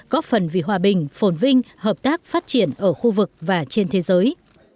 góp phần vì hòa bình phồn vinh hợp tác phát triển ở khu vực và trên thế giới